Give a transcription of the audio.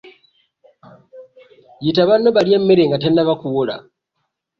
Yita bano balye emmere nga tenaba kuwola.